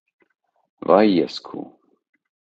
-Վա՛յ ես քու…